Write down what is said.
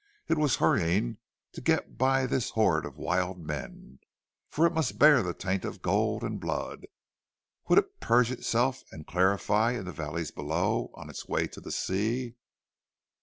It was hurrying to get by this horde of wild men, for it must bear the taint of gold and blood. Would it purge itself and clarify in the valleys below, on its way to the sea?